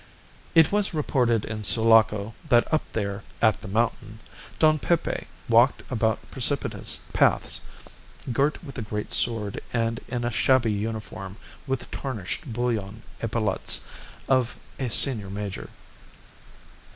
It was reported in Sulaco that up there "at the mountain" Don Pepe walked about precipitous paths, girt with a great sword and in a shabby uniform with tarnished bullion epaulettes of a senior major.